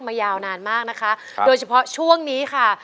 ยาวนานมากนะคะโดยเฉพาะช่วงนี้ค่ะ